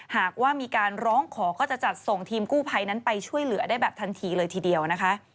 หากว่ามีการร้องขอก็จะจัดส่งทีมกู้ภัยนั้นไปช่วยเหลือได้แบบทันทีเลยทีเดียวนะคะ